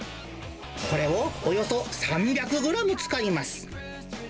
これをおよそ３００グラム使います。